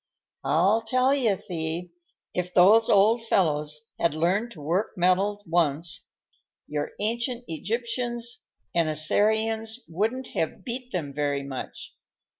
"I'll tell you, Thee, if those old fellows had learned to work metals once, your ancient Egyptians and Assyrians wouldn't have beat them very much.